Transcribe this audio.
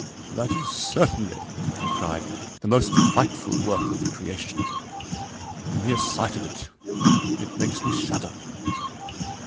"That is certainly," he cried, "the most frightful work of the creation. The mere sight of it it makes me shudder!"